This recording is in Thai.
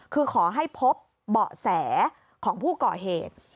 คือขอให้พบเบาะแสของผู้ก่อเหตุ